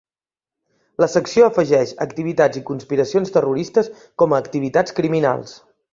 La secció afegeix "activitats i conspiracions terroristes" com a "activitats criminals".